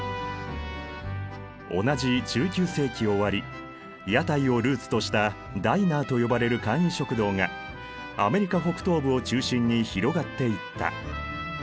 同じ１９世紀終わり屋台をルーツとしたダイナーと呼ばれる簡易食堂がアメリカ北東部を中心に広がっていった。